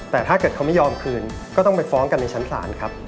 แต่ถ้าเกิดเขาไม่ยอมคืนก็ต้องไปฟ้องกันในชั้นศาลครับ